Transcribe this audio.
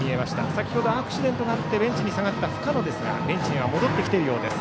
先ほどアクシデントがあってベンチに下がった深野ですがベンチには戻ってきているようです。